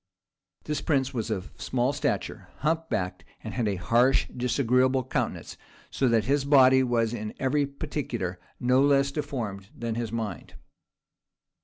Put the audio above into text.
This prince was of a small stature, humpbacked, and had a harsh, disagreeable countenance; so that his body was in every particular no less deformed than his mind.